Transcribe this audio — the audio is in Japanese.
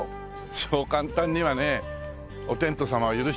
そう簡単にはねお天道様は許してくれないよ。